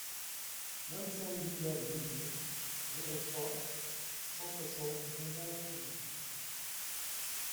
vingt-cinq boulevard des Mouillères, zéro trois, cent soixante Bourbon-l'Archambault